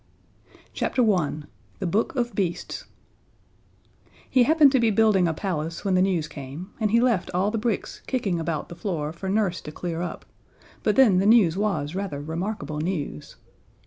_ The Book of DRAGONS [Illustration: THE BOOK OF BEASTS] I. The Book of Beasts He happened to be building a Palace when the news came, and he left all the bricks kicking about the floor for Nurse to clear up but then the news was rather remarkable news.